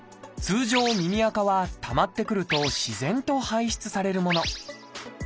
通常耳あかはたまってくると自然と排出されるもの。